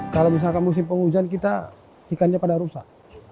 kalau misalkan musim penghujan kita ikannya pada rusak